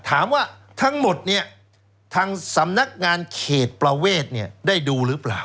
ถามว่าทั้งหมดทางสำนักงานเขตประเวทได้ดูหรือเปล่า